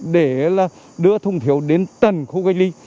để đưa thùng phiếu đến tầng khu cách ly